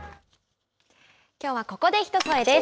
きょうは、ここで「ひとそえ」です。